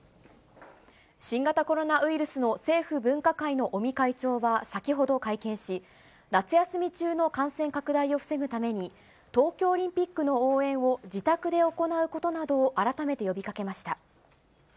新型コロナウイルスの政府分科会の尾身会長は先ほど会見し、夏休み中の感染拡大を防ぐために、東京オリンピックの応援を自宅で行うことなどを改めて呼びかけました。